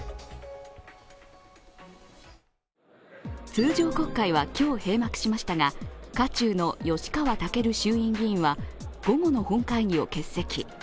通常国会は今日、閉幕しましたが渦中の吉川赳衆院議員は午後の本会議を欠席。